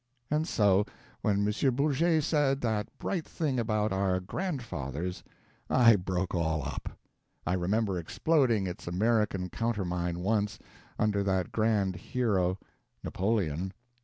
And so, when M. Bourget said that bright thing about our grandfathers, I broke all up. I remember exploding its American countermine once, under that grand hero, Napoleon.